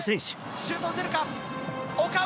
シュート打てるか？